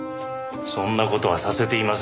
そんな事はさせていません。